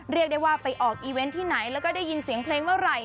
เรียกได้ว่าไปออกอีเวนต์ที่ไหนแล้วก็ได้ยินเสียงเพลงเมื่อไหร่